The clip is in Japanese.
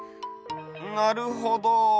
なるほど。